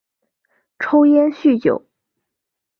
抽烟酗酒